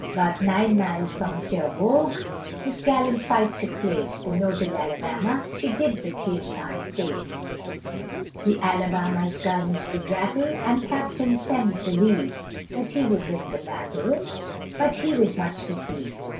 About nine miles from Cherbourg This gallant fight took place, The noted Alabama, She did the Kearsage chase, The Alabama's guns did rattle, And Captain Semmes believed That he would win the battle, But he was much deceived.